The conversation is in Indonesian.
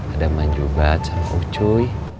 ada manjubat sama ucuy